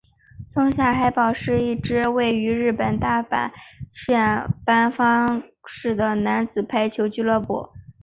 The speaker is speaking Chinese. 松下黑豹是一支位于日本大阪府枚方市的男子排球俱乐部。